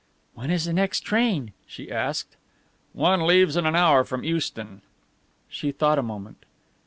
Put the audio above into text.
"When is the next train?" she asked. "One leaves in an hour from Euston." She thought a moment.